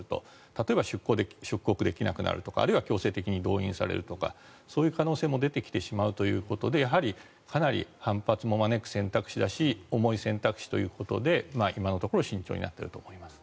例えば出国できなくなるとか強制的に動員されるとかそういう可能性も出てきてしまうということでかなり反発も招く選択肢だし重い選択肢ということで今のところ慎重になっていると思います。